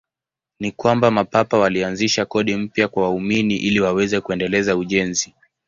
Ni kwamba Mapapa walianzisha kodi mpya kwa waumini ili waweze kuendeleza ujenzi.